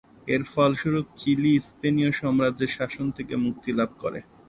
এর ফলস্বরূপ চিলি স্পেনীয় সাম্রাজ্যের শাসন থেকে মুক্তি লাভ করে।